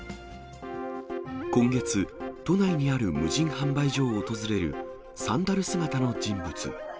今月、都内にある無人販売所を訪れる、サンダル姿の人物。